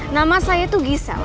nama saya tuh gisel